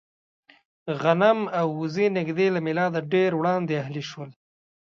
غنم او اوزې نږدې له مېلاده ډېر وړاندې اهلي شول.